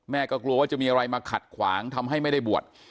กลัวว่าจะมีอะไรมาขัดขวางทำให้ไม่ได้บวช